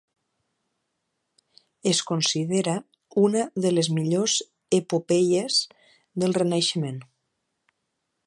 Es considera una de les millors epopeies del Renaixement.